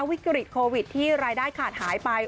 วิกฤตโควิดที่รายได้ขาดหายไป